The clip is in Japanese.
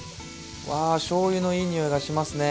わあしょうゆのいい匂いがしますね！